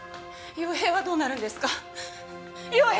陽平はどうなるんですか！？